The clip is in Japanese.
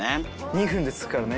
２分で着くからね。